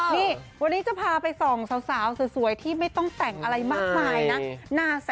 นี่วันนี้จะพาไปส่องสาวสวยที่ไม่ต้องแต่งอะไรมากมายนะ